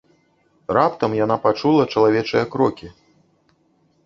Раптам яна пачула чалавечыя крокі.